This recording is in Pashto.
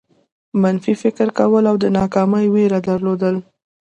منفي فکر کول او د ناکامۍ وېره درلودل.